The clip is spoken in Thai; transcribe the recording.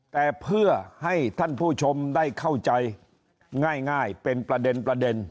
แต่เพื่อให้ท่านผู้ชมได้เข้าใจง่ายเป็นประเด็น